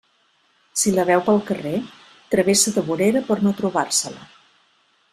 Si la veu pel carrer, travessa de vorera per no trobar-se-la.